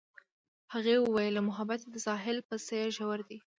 هغې وویل محبت یې د ساحل په څېر ژور دی.